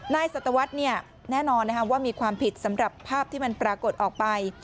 สัตวรรษแน่นอนว่ามีความผิดสำหรับภาพที่มันปรากฏออกไป